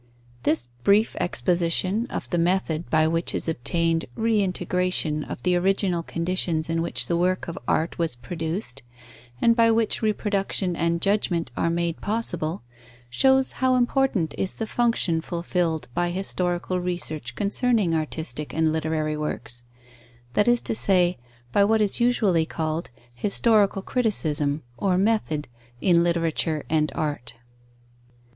_ This brief exposition of the method by which is obtained reintegration of the original conditions in which the work of art was produced, and by which reproduction and judgment are made possible, shows how important is the function fulfilled by historical research concerning artistic and literary works; that is to say, by what is usually called historical criticism, or method, in literature and art.